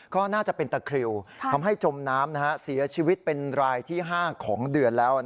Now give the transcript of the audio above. ก็น่าจะเป็นตะคริวทำให้จมน้ำเสียชีวิตเป็นรายที่๕ของเดือนแล้ว